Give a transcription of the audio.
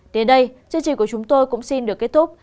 đến đây chương trình của chúng tôi cũng xin được kết thúc